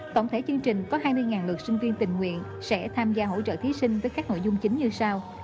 tổng thể chương trình có hai mươi lượt sinh viên tình nguyện sẽ tham gia hỗ trợ thí sinh với các nội dung chính như sau